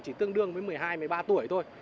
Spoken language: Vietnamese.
chỉ tương đương với một mươi hai một mươi ba tuổi thôi